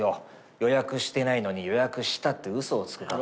予約してないのに予約したって嘘をつく方が。